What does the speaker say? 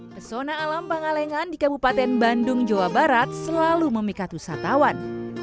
pesona alam pangalengan di kabupaten bandung jawa barat selalu memikat wisatawan